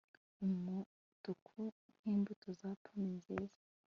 Umutuku nkimbuto za pomme nziza